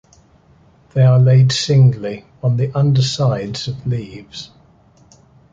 They are laid singly, on the undersides of leaves.